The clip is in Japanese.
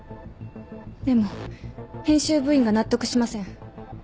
でも編集部員が納得しません。